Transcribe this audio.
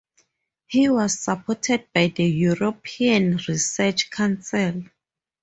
He was supported by the European Research Council.